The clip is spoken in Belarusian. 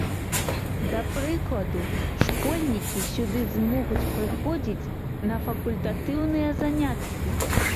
Да прыкладу, школьнікі сюды змогуць прыходзіць на факультатыўныя заняткі.